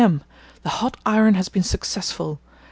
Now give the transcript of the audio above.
m.—The hot iron has been successful.